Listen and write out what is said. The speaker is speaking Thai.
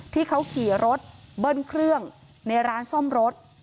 ที่เขาขี่รถเบิ้ลเครื่องในร้านซ่อมรถ